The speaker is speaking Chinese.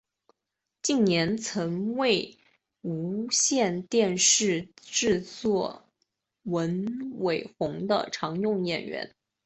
近年曾为无线电视监制文伟鸿的常用演员。